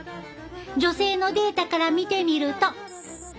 女性のデータから見てみると。